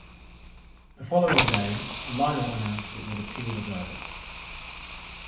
The following day, Lionel announced it would appeal the verdict.